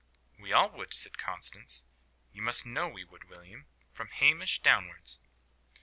"We all would," said Constance; "you must know we would, William. From Hamish downwards."